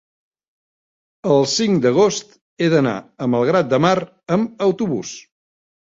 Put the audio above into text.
el cinc d'agost he d'anar a Malgrat de Mar amb autobús.